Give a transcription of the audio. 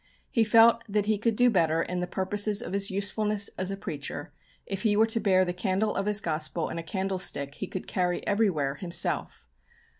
He felt that he could do better in the purposes of his usefulness as a preacher if he were to bear the candle of his Gospel in a candlestick he could carry everywhere himself.